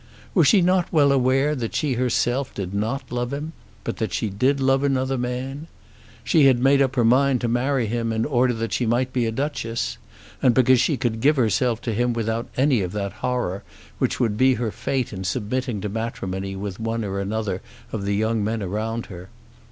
Was she not well aware that she herself did not love him; but that she did love another man? She had made up her mind to marry him in order that she might be a duchess, and because she could give herself to him without any of that horror which would be her fate in submitting to matrimony with one or another of the young men around her.